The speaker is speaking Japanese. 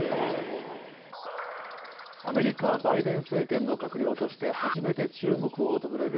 アメリカ、バイデン政権の閣僚として初めて中国を訪れる